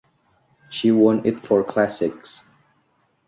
She won it for classics.